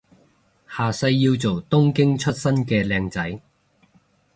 下世要做東京出身嘅靚仔